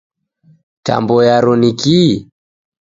Tambo yaro nikii?